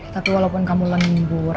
tapi walaupun kamu lembur